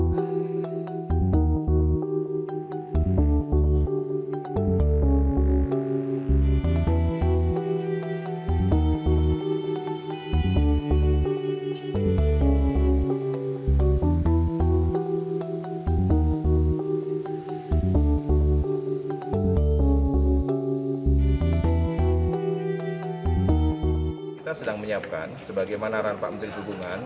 kita sedang menyiapkan sebagaimana ranta menteri hubungan